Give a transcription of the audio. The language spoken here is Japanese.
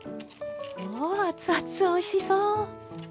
うわ熱々おいしそう！